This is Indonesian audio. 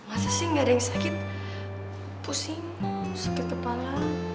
masa sih nggak ada yang sakit pusing sakit kepala